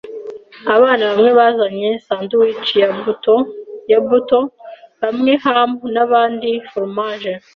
Abana bamwe bazanye sandwiches ya buto ya buto, bamwe ham, nabandi ba foromaje.